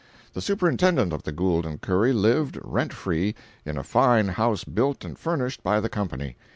The Superintendent of the Gould & Curry lived, rent free, in a fine house built and furnished by the company.